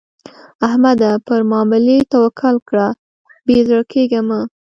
احمده؛ پر ماملې توکل کړه؛ بې زړه کېږه مه.